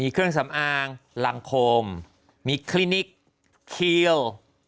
มีเครื่องสำอางลังคมมีคลินิกคีล